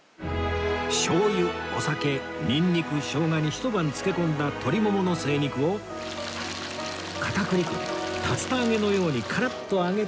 醤油お酒ニンニクショウガに一晩漬け込んだ鶏モモの正肉を片栗粉で竜田揚げのようにカラッと揚げた一品